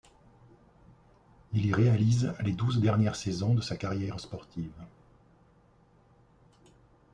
Il y réalise les douze dernières saisons de sa carrière sportive.